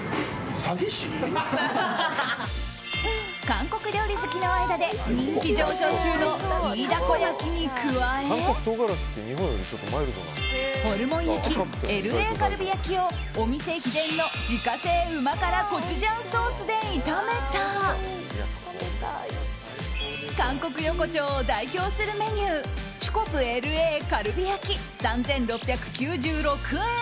韓国料理好きの間で人気上昇中のイイダコ焼きに加えホルモン焼き、ＬＡカルビ焼きをお店秘伝の自家製うま辛コチュジャンソースで炒めた韓国横丁を代表するメニューチュコプＬＡカルビ焼３６９６円。